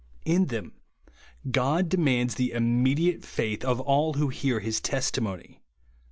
In them God demands the iininediate faifli of all who hear his testimony.